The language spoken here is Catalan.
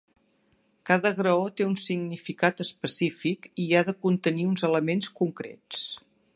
Cada graó té un significat específic i ha de contenir uns elements concrets.